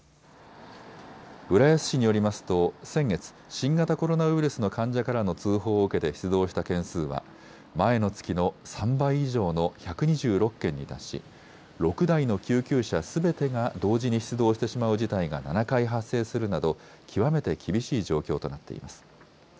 浦安市によりますと先月、新型コロナウイルスの患者からの通報を受けて出動した件数は前の月の３倍以上の１２６件に達し６台の救急車すべてが同時に出動してしまう事態が７回発生するなど極めて厳しい状況となっています。